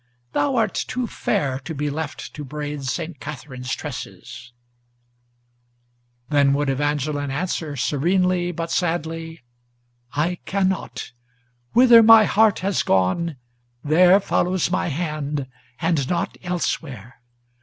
Thou art too fair to be left to braid St. Catherine's tresses." Then would Evangeline answer, serenely but sadly, "I cannot! Whither my heart has gone, there follows my hand, and not elsewhere.